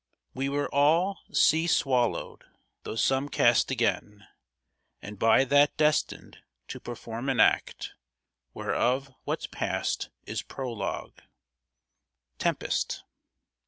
We were all sea swallowed, though some cast again, And by that destined to perform an act, Whereof what's past is prologue. TEMPEST.